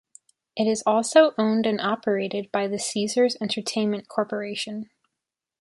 It is also owned and operated by the Caesars Entertainment Corporation.